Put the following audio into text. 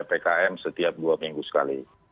ppkm setiap dua minggu sekali